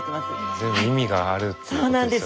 全部意味があるってことですよね